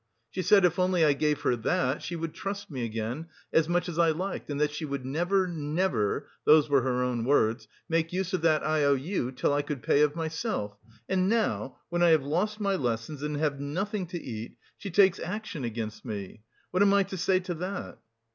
She said if only I gave her that, she would trust me again, as much as I liked, and that she would never, never those were her own words make use of that I O U till I could pay of myself... and now, when I have lost my lessons and have nothing to eat, she takes action against me. What am I to say to that?"